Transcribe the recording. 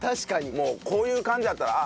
もうこういう感じだったらあっ